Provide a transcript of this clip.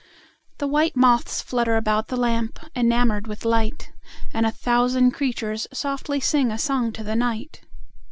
The white moths flutter about the lamp, Enamoured with light; And a thousand creatures softly singA song to the night!